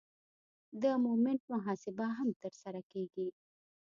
د مومنټ محاسبه هم ترسره کیږي